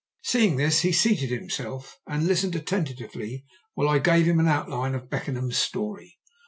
Seeing this, he seated himself and listened attentively while I gave him an outline of Beckenham's story.